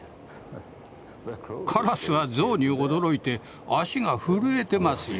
カラスは象に驚いて足が震えてますよ。